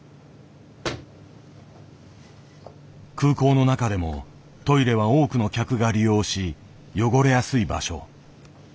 空港の中でもトイレは多くの客が利用し汚れやすい場所。